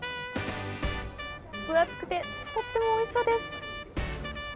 分厚くてとてもおいしそうです！